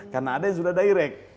karena ada yang sudah direct